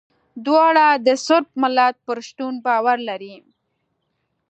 دواړه د صرب ملت پر شتون باور لري.